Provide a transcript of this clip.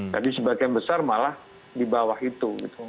jadi sebagian besar malah di bawah itu gitu